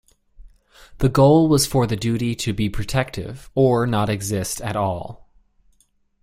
The goal was for the duty to be protective, or not exist at all.